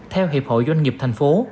theo hiệp hội doanh nghiệp thành phố